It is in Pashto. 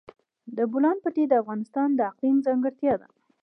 د بولان پټي د افغانستان د اقلیم ځانګړتیا ده.